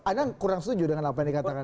anda kurang setuju dengan apa yang dikatakan